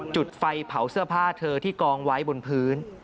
จุดไฟเผาเสื้อผ้าเธอที่กองไว้บนพื้น